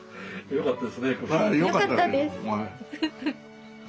よかったです。